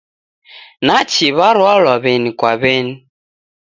Nachi w'aralwa w'eni kwa w'eni.